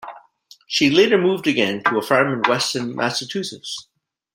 She later moved again to a farm in Weston, Massachusetts.